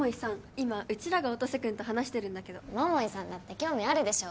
今うちらが音瀬君と話してるんだけど桃井さんだって興味あるでしょ？